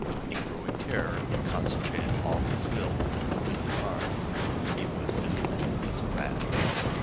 In growing terror, he concentrated all his will on moving his arm. It was as limp as a rag.